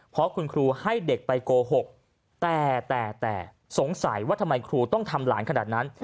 เพราะคุณครูให้เด็กไปโกหกแต่แต่สงสัยว่าทำไมครูต้องทำหลานขนาดนั้น